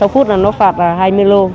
năm sáu phút là nó phạt hai mươi lô